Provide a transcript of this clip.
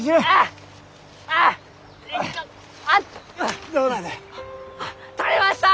あっ採れました！